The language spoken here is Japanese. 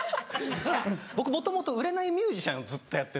僕もともと売れないミュージシャンをずっとやってて。